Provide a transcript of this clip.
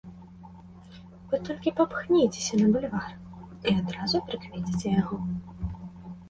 Вы толькі папхніцеся на бульвар і адразу прыкмеціце яго.